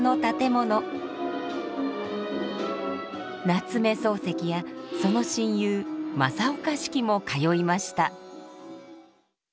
夏目漱石やその親友正岡子規も通いました。